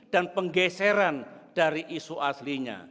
dan penggeseran dari isu aslinya